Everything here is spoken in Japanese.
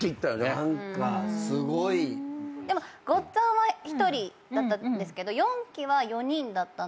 すごい。ごっつぁんは１人だったんですけど４期は４人だったので。